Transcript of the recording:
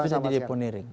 sudah di deponering